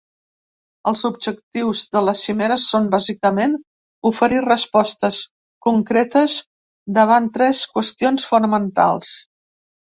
Els objectius de la cimera són bàsicament oferir respostes concretes davant tres qüestions fonamentals.